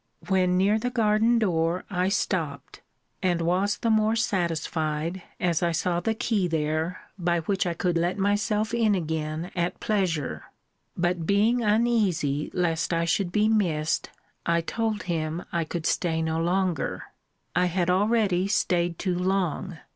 When near the garden door, I stopped; and was the more satisfied, as I saw the key there, by which I could let myself in again at pleasure. But, being uneasy lest I should be missed, I told him, I could stay no longer. I had already staid too long.